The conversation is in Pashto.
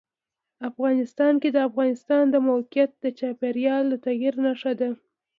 افغانستان کې د افغانستان د موقعیت د چاپېریال د تغیر نښه ده.